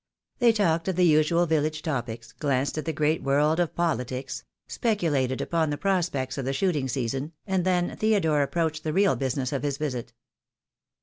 They talked of the usual village topics, glanced at the great world of politics, speculated upon the prospects of the shooting season, and then Theodore approached the real business of his visit.